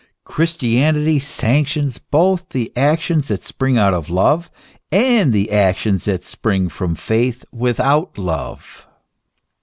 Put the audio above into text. Christianity sanctions both the actions that spring out of love, and the actions that spring from faith without love.